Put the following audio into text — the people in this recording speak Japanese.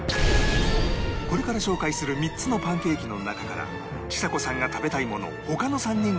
これから紹介する３つのパンケーキの中からちさ子さんが食べたいものを他の３人が推理